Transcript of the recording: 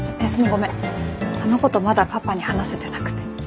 ごめんあのことまだパパに話せてなくて。